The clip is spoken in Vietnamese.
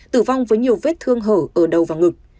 tử vong với nhiều vết thương hở ở đầu và ngực